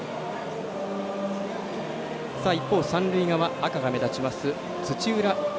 一方、三塁側、赤が目立ちます